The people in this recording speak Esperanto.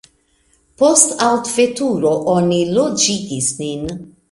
Post alveturo oni loĝigis nin.